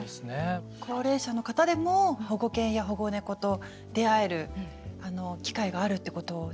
高齢者の方でも保護犬や保護猫と出会える機会があるってことですよね？